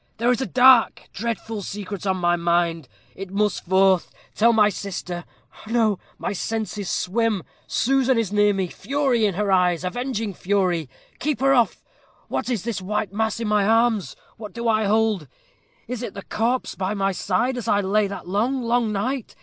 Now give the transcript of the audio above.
'There is a dark, dreadful secret on my mind it must forth. Tell my sister no, my senses swim Susan is near me fury in her eyes avenging fury keep her off. What is this white mass in my arms? what do I hold? is it the corpse by my side, as it lay that long, long night?